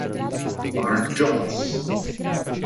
Mark Jones